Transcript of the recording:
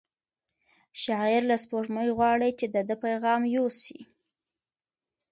شاعر له سپوږمۍ غواړي چې د ده پیغام یوسي.